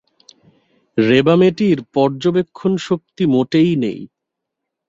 রেবা মেয়েটির পর্যবেক্ষণশক্তি মোটেই নেই!